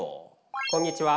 こんにちは。